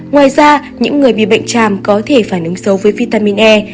ngoài ra những người bị bệnh tràm có thể phản ứng xấu với vitamin e